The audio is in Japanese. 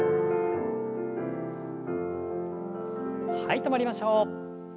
はい止まりましょう。